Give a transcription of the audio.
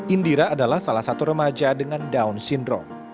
indira adalah salah satu remaja dengan down syndrome